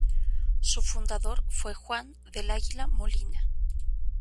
Su fundador fue Juan del Águila Molina.